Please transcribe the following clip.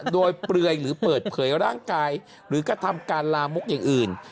โดยเปลือยหรือเปิดเผยร่างกายหรือกระทำการลามกอย่างอื่น